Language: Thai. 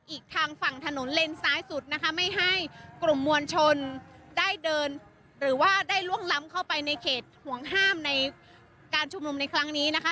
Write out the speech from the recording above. อีกทางฝั่งถนนเลนซ้ายสุดนะคะไม่ให้กลุ่มมวลชนได้เดินหรือว่าได้ล่วงล้ำเข้าไปในเขตห่วงห้ามในการชุมนุมในครั้งนี้นะคะ